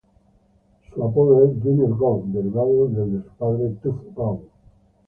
Su apodo es "Junior Gong", derivación del de su padre, "Tuff Gong".